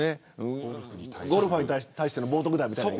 ゴルファーに対する冒涜だみたいなね。